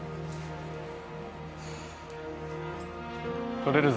とれるぞ